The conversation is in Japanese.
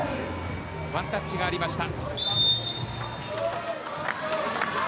ワンタッチがありました。